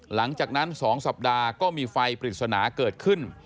หลังจากนั้น๒สัปดาห์ก็มีไฟปริศนาเกิดขึ้น